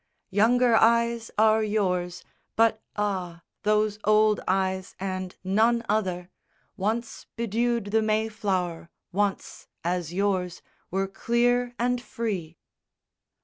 Younger eyes are yours; but ah, those old eyes and none other Once bedewed the may flower; once, As yours, were clear and free.